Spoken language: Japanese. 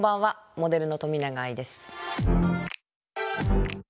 モデルの冨永愛です。